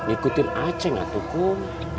ikutin aceh enggak tuh kum